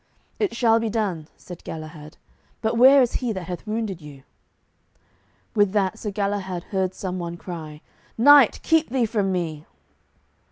"It shall be done," said Galahad, "but where is he that hath wounded you?" With that Sir Galahad heard some one cry, "Knight, keep thee from me!"